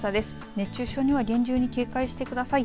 熱中症には厳重に警戒してください。